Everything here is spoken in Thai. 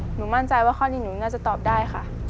หนูมั่นใจว่าข้อนี้หนูน่าจะตอบได้ค่ะ